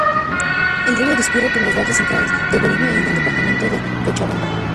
El río discurre por los valles centrales de Bolivia en el departamento de Cochabamba.